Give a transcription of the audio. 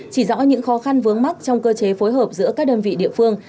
chỉ rõ những khó khăn vướng mắt trong cơ chế phối hợp giữa các đơn vị địa phương